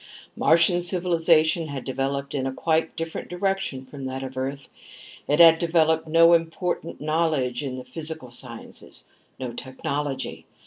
Martian civilization had developed in a quite different direction from that of Earth. It had developed no important knowledge of the physical sciences, no technology.